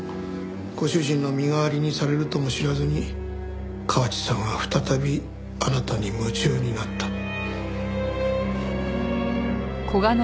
ご主人の身代わりにされるとも知らずに河内さんは再びあなたに夢中になった。